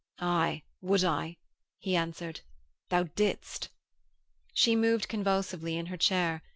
'Aye, would I,' he answered. 'Thou didst....' She moved convulsively in her chair.